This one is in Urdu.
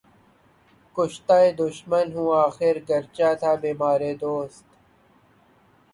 کُشتۂ دشمن ہوں آخر، گرچہ تھا بیمارِ دوست